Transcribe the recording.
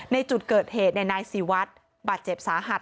ในจุดเกิดเหตุนายศิวัตรบาดเจ็บสาหัส